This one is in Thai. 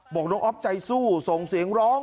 บอกน้องอ๊อฟใจสู้ส่งเสียงร้อง